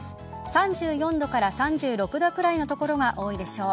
３４度から３６度くらいの所が多いでしょう。